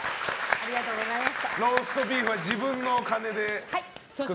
ありがとうございます。